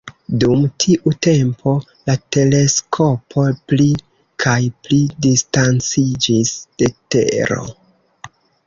Dum tiu tempo la teleskopo pli kaj pli distanciĝis de Tero.